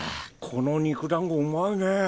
この肉だんごうまいね。